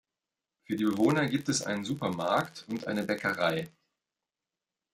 Für die Bewohner gibt es einen Supermarkt und eine Bäckerei.